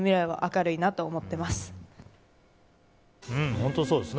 本当そうですね